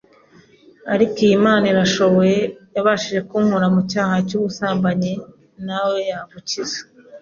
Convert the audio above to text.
ariko iyi Mana irashoboye iyabashije kunkura mu cyaha cy’ubusambanyi nawe yagukiza